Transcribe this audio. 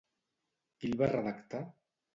Qui el va redactar?